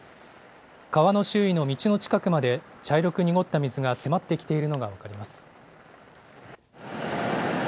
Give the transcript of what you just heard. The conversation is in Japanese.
川の周囲の道の近くまで茶色く濁った水が迫ってきているのが分かります。